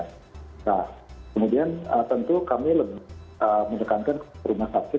nah kemudian tentu kami menekankan rumah sabjid